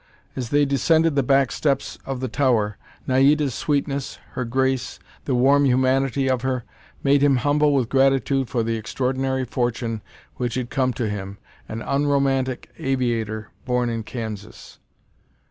As they descended the black steps of the tower, Naida's sweetness, her grace, the warm humanity of her, made him humble with gratitude for the extraordinary fortune which had come to him, an unromantic aviator born in Kansas.